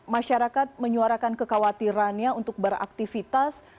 masyarakat menyuarakan kekhawatirannya untuk beraktivitas